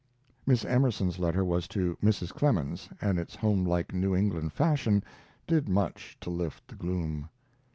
Miss Emerson's letter was to Mrs. Clemens and its homelike New England fashion did much to lift the gloom.